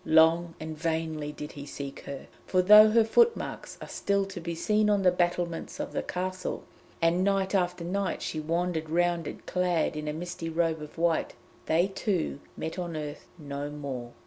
Long and vainly did he seek her, for though her footmarks are still to be seen on the battlements of the Castle, and night after night she wandered round it clad in a misty robe of white, they two met on earth no more.